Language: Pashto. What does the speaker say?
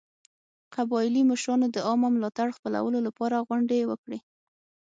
قبایلي مشرانو د عامه ملاتړ خپلولو لپاره غونډې وکړې.